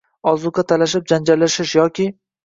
ozuqa talashib janjallashish yoki